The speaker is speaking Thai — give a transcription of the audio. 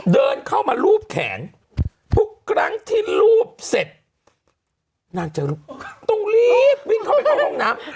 เดินเข้ามารูปแขนทุกครั้งที่รูปเสร็จนางเจอรูปต้องรีบวิ่งเข้าไปเข้าห้องน้ำ